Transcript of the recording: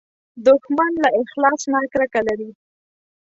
دښمن له اخلاص نه کرکه لري